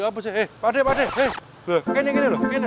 pak de pak de